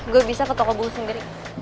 gue bisa ke toko gue sendiri